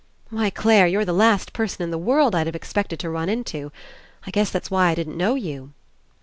"Why, Clare, you're the last person In the world I'd have expected to run Into. I guess that's why I didn't know you."